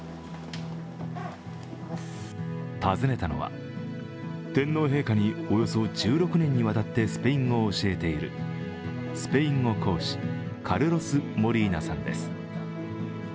訪ねたのは、天皇陛下におよそ１６年にわたってスペイン語を教えているスペイン語講師、カルロス・モリーナさんです。